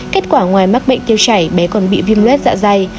kết quả ngoài mắc bệnh tiêu chảy bé còn bị viêm luet dạ dày